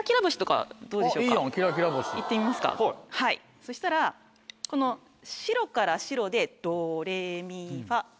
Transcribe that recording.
そしたらこの白から白でドレミファ。